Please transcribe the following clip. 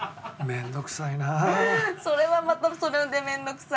面倒くさいなあ。